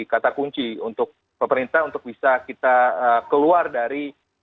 kata kunci untuk pemerintah untuk bisa kita keluar dari